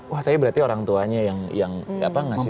wah tapi berarti orang tuanya yang ngasih